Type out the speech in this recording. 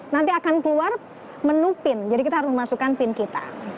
nanti akan keluar menu pin jadi kita harus memasukkan pin kita